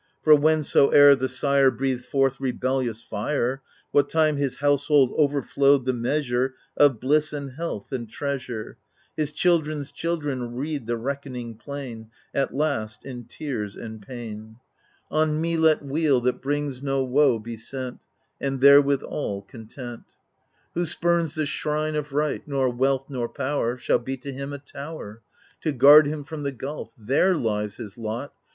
for whensoever the sire Breathed forth rebellious fire — What time his household overflowed the measure Of bliss and health and treasure — His children's children read the reckoning plain, At last, in tears and pain. AGAMEMNON 19 On me let weal that brings no woe be sent, And therewithal, content I Who spurns the shrine of Right, nor wealth nor power Shall be to him a tower, To guard him from the gulf: there lies his lot.